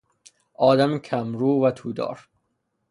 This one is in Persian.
آدم کم رو و تودار